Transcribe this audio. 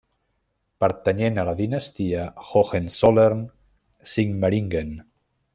Pertanyent a la dinastia Hohenzollern-Sigmaringen.